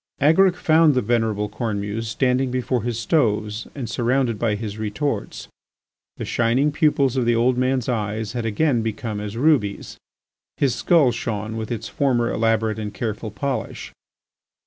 Agaric found the venerable Cornemuse standing before his stoves and surrounded by his retorts. The shining pupils of the old man's eyes had again become as rubies, his skull shone with its former elaborate and careful polish.